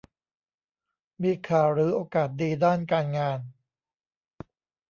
มีข่าวหรือโอกาสดีด้านการงาน